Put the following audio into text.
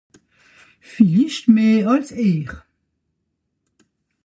Villicht meh àls ìhr.